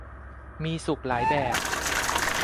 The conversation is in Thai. มีสุขหลายแบบ